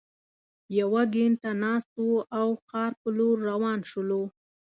یوه ګینټه ناست وو او ښار په لور روان شولو.